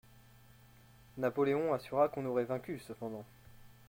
Napoléon assura qu'on aurait vaincu cependant.